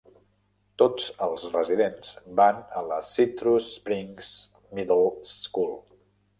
Tots els residents van a la Citrus Springs Middle School.